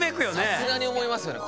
さすがに思いますよね